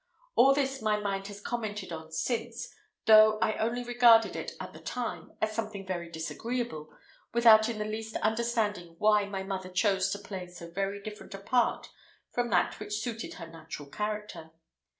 All this my mind has commented on since, though I only regarded it, at the time, as something very disagreeable, without in the least understanding why my mother chose to play so very different a part from that which suited her natural character.